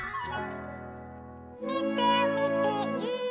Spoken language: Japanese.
「みてみてい！」